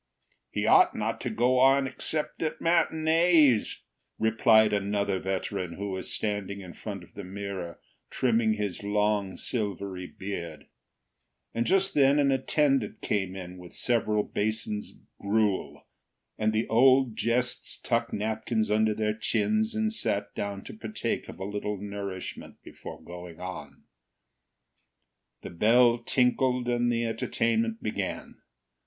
"He ought not to go on except at matinees," replied another veteran, who was standing in front of the mirror trimming his long, silvery beard, and just then an attendant came in with several basins of gruel, and the old Jests tucked napkins under their chins and sat down to partake of a little nourishment before going on. The bell tinkled and the entertainment began.